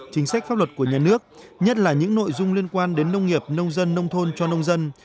chính sách pháp luật của nhà nước nhất là những nội dung liên quan đến nông nghiệp nông dân nông thôn cho nông dân